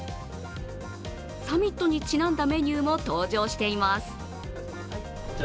サミットにちなんだメニューも登場しています。